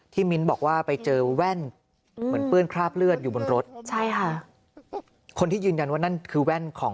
ที่มิ้นท์บอกว่าไปเจอแว่น